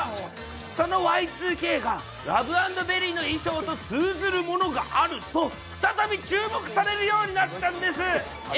そのＹ２Ｋが、ラブａｎｄベリーの衣装と通ずるものがあると、再び注目されるようになったんです。